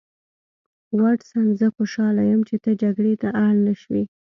واټسن زه خوشحاله یم چې ته جګړې ته اړ نشوې